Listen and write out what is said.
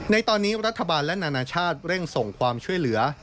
ในตอนนี้รัฐบาลและนานาชาติเร่งส่งความช่วยเหลือ